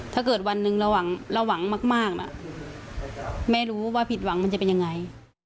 ถ้าเกิดวันหนึ่งเราหวังมากนะแม่รู้ว่าผิดหวังมันจะเป็นยังไง